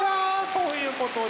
そういうことで。